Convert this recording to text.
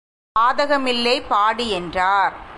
பாதகமில்லை, பாடு என்றார்.